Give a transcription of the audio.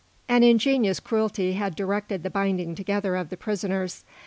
An ingenious cruelty had directed the binding together of the prisoners.